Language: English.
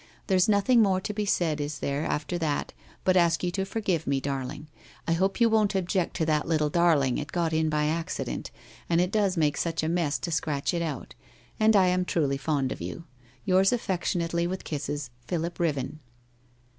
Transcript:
There's nothing more to be said is there,, after that, but ash you to forgive me, darling. I hope you won't object to that little darling, it got in by accident, and it does make such a mess to scratch it out. And I am truly fond of you. ' Yours affectionately with kisses, 'Philip Riven.'